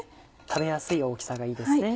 食べやすい大きさがいいですね。